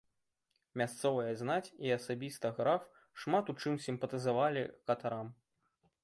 Мясцовая знаць і асабіста граф шмат у чым сімпатызавалі катарам.